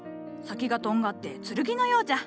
先がとんがって剣のようじゃ。